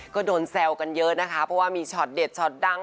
ก็โดนแซวกันเยอะนะคะเพราะว่ามีช็อตเด็ดช็อตดัง